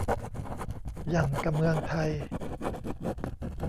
หยั่งกะเมืองไทย